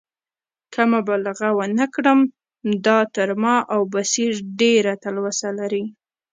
که مبالغه ونه کړم، دا تر ما او بصیر ډېره تلوسه لري.